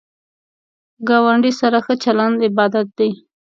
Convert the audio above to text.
ګاونډی سره ښه چلند عبادت دی